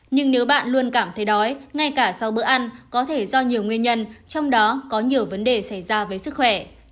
nhưng nếu bạn luôn cảm thấy đói ngay cả sau bữa ăn có thể do nhiều nguyên nhân trong đó có nhiều vấn đề xảy ra với sức khỏe